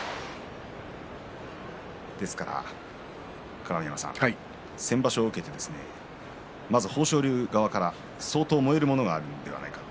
鏡山さん、先場所を受けてまず豊昇龍側から相当燃えるものがあるのではないかと。